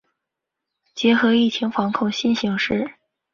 结合疫情防控新形势